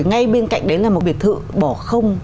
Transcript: ngay bên cạnh đấy là một biệt thự bỏ không